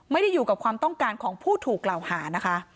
ไม่ได้อยู่กับความต้องการของผู้ถูกกล่าวหานะคะ